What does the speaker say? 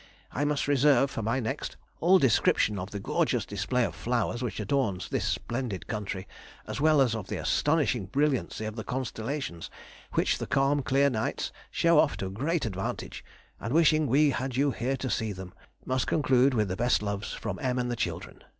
I must reserve for my next all description of the gorgeous display of flowers which adorns this splendid country, as well as of the astonishing brilliancy of the constellations, which the calm, clear nights show off to great advantage; and wishing we had you here to see them, must conclude with best loves from M. and the children.